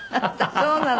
そうなの？